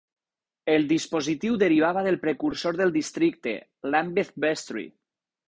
El dispositiu derivava del precursor del districte, Lambeth Vestry.